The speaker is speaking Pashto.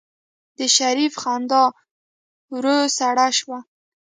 د شريف خندا ورو سړه شوه.